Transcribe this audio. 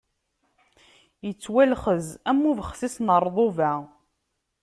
Ittwalxez am ubexsis n ṛṛḍuba.